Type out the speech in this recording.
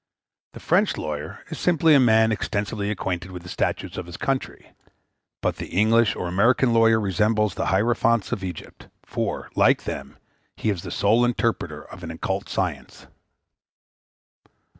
The French lawyer is simply a man extensively acquainted with the statutes of his country; but the English or American lawyer resembles the hierophants of Egypt, for, like them, he is the sole interpreter of an occult science.